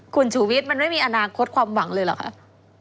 คุณชูวิทย์มันไม่มีอนาคตความหวังเลยเหรอคะ